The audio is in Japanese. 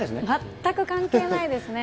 全く関係ないですね。